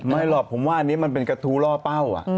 ไม่หรอกผมว่าอันนี้มันเป็นกับทุเรื่องร่อเปล่า